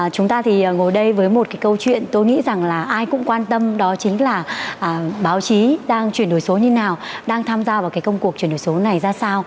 chúng ta thì ngồi đây với một cái câu chuyện tôi nghĩ rằng là ai cũng quan tâm đó chính là báo chí đang chuyển đổi số như nào đang tham gia vào cái công cuộc chuyển đổi số này ra sao